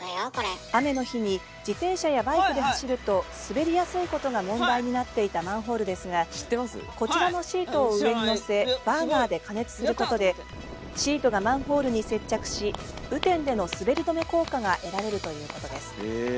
雨の日に自転車やバイクで走ると滑りやすいことが問題になっていたマンホールですがこちらのシートを上に載せバーナーで加熱することでシートがマンホールに接着し雨天での滑り止め効果が得られるということです。